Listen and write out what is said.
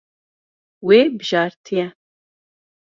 Wê bijartiye.